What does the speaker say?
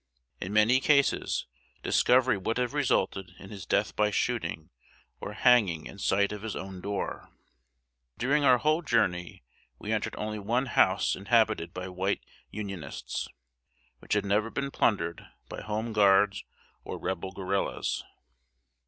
In many cases, discovery would have resulted in his death by shooting, or hanging in sight of his own door. During our whole journey we entered only one house inhabited by white Unionists, which had never been plundered by Home Guards or Rebel guerrillas.